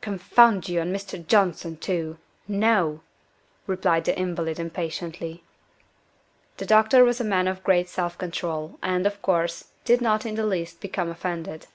"Confound you, and Mr. Johnson, too! No!" replied the invalid impatiently. The doctor was a man of great self control, and, of course, did not in the least become offended.